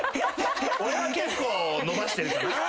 俺は結構伸ばしてるかな。